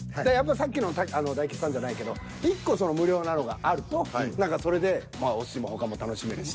さっきの大吉さんじゃないけど１個無料なのがあるとそれでお寿司も他も楽しめるし。